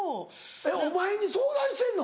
えっお前に相談してんの？